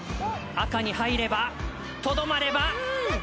赤に入れば、とどまれば。